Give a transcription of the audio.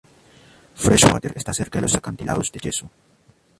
Freshwater está cerca de los acantilados de yeso.